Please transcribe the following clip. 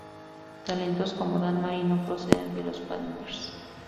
Talentos como Dan Marino proceden de los Panthers.